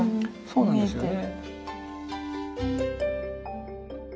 そうなんですよね。